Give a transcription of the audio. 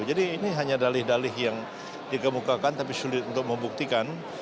jadi ini hanya dalih dalih yang dikemukakan tapi sulit untuk membuktikan